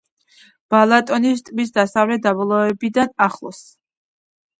ბალატონის ტბის დასავლეთი დაბოლოებიდან ახლოს.